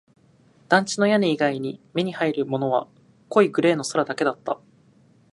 団地の屋根以外に目に入るものは濃いグレーの空だけだった